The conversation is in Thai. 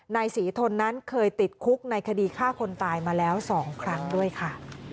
นายศรีทนนั้นเคยติดคุกในคดีฆ่าคนตายมาแล้ว๒ครั้งด้วยค่ะ